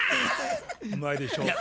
うまいでしょ？